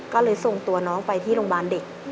ก็เลยส่งตัวน้องไปที่โรงพยาบาลเด็ก